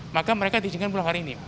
maka mereka diizinkan pulang hari ini